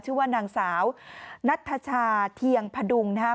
ชื่อว่านางสาวนัทชาเทียงพดุงนะครับ